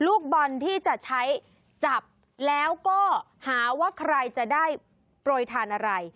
ลูกบอลที่จะใช้จับแล้วก็หาว่าใครจะได้โปรยทานอะไร